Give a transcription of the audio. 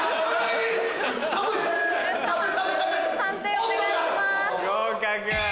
判定お願いします。